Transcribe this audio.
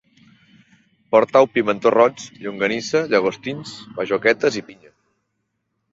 Portau pimentó roig, llonganissa, llagostins, bajoquetes i pinya